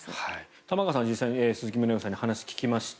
玉川さんは実際に鈴木宗男氏に話を聞きました。